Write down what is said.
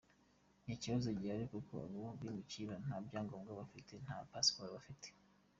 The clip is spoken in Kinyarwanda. Ni ikibazo gihari kuko abo bimukira nta byangombwa bafite, nta pasiporo bafite.”